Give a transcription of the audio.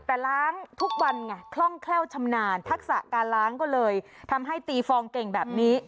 แต่ล้างทุกวันไงคล่องแคล่วชำนาญทักษะการล้างก็เลยทำให้ตีฟองเก่งแบบนี้